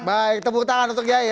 baik tepuk tangan untuk kiai